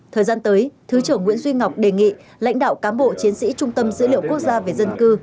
thời gian tới thứ trưởng nguyễn duy ngọc đề nghị lãnh đạo cám bộ chiến sĩ trung tâm dữ liệu quốc gia về dân cư